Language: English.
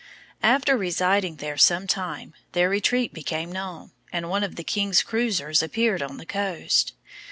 After residing there some time, their retreat became known, and one of the king's cruizers appeared on the coast.